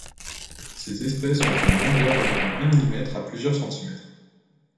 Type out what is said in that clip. Ses espèces ont une longueur d'environ un millimètre à plusieurs centimètres.